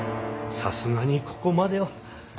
さすがにここまでは。